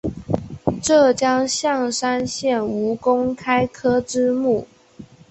浙江象山县吴公开科之墓